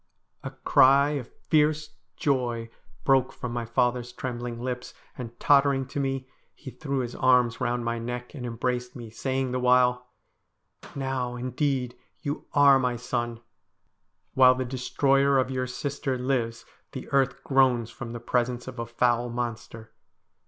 284 S TORIES WEIRD AND WOADERFUL A cry of fierce joy broke from my father's trembling lips, and, tottering to me, he threw his arms round my neck and embraced me, saying the while :' Now, indeed, are you my son. While the destroyer of your sisters lives the earth groans from the presence of a foul monster.